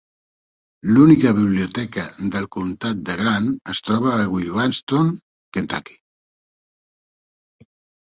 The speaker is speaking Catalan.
L'única biblioteca del comtat de Grant es troba a Williamstown, Kentucky.